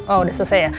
oh udah selesai ya